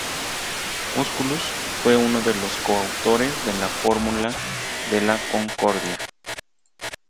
Musculus fue uno de los coautores de la Fórmula de la Concordia.